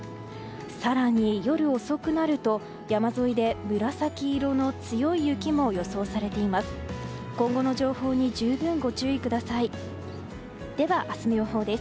更に夜遅くなると山沿いで、紫色の強い雪も予想されています。